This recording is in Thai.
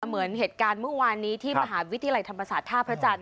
เหมือนเหตุการณ์เมื่อวานนี้ที่มหาวิทยาลัยธรรมศาสตร์ท่าพระจันทร์